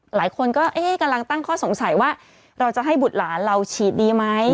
หลายคนก็เอ๊ะกำลังตั้งข้อสงสัยว่าเราจะให้บุตรหลานเราฉีดดีไหม